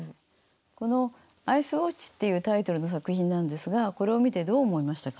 この「アイス・ウオッチ」っていうタイトルの作品なんですがこれを見てどう思いましたか？